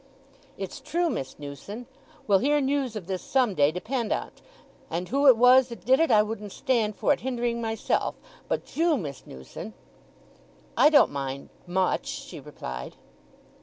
"It's true, Miss Newson. We'll hear news of this some day depend on't, and who it was that did it. I wouldn't stand for it hindering myself; but you, Miss Newson——" "I don't mind—much," she replied.